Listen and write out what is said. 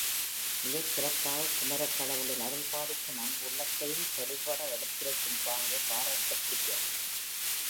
மிகச் சிறப்பாகக் குமரக் கடவுளின் அருள்பாலிக்கும் அன்பு உள்ளத்தையும் தெளிவுபட எடுத்துரைக்கும் பாங்கு பாராட்டுக்குரியது.